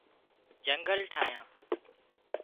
جنگل ٺاهيان